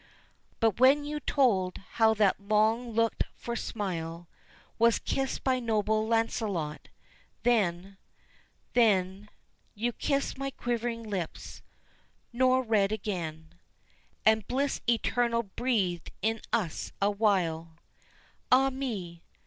But when you told how that long looked for smile Was kissed by noble Lancelot, then then You kissed my quivering lips; nor read again; And bliss eternal breathed in us awhile. Ah, me!